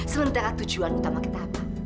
sementara tujuan utama kita apa